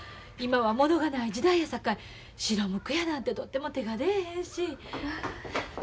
今は物がない時代やさかい白むくやなんてとても手が出えへんし。